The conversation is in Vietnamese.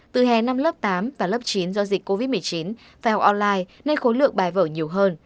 từ hè năm lớp tám và lớp chín do dịch covid một mươi chín phải học online nên khối lượng bài vở nhiều hơn